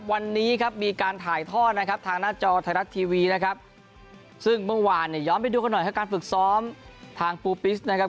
วันนี้ครับมีการถ่ายทอดนะครับทางหน้าจอไทยรัฐทีวีนะครับซึ่งเมื่อวานเนี่ยย้อนไปดูกันหน่อยครับการฝึกซ้อมทางปูปิสนะครับ